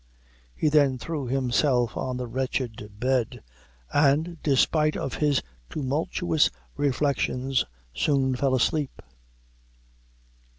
He then threw himself on the wretched bed, and, despite of his tumultuous reflections, soon fell asleep.